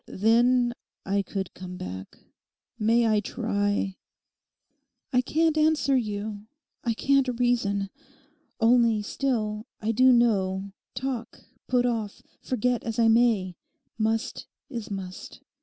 Then I could come back. May I try?' 'I can't answer you. I can't reason. Only, still, I do know, talk, put off, forget as I may, must is must.